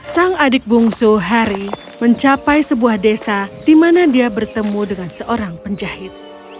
sang adik bungsu harry mencapai sebuah desa di mana dia bertemu dengan seorang penjahit